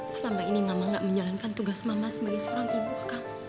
selama ini mama nggak menjalankan tugas mama sebagai seorang ibu ke kamu